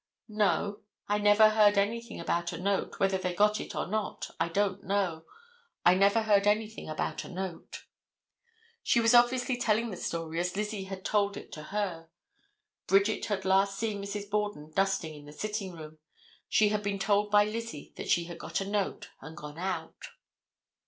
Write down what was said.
"No. I never heard anything about a note; whether they got it or not, I don't know. I never heard anything about a note." She was obviously telling the story as Lizzie had told it to her. Bridget had last seen Mrs. Borden dusting in the sitting room. She had been told by Lizzie that she had got a note and gone out.